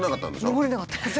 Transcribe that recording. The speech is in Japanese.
上れなかったです。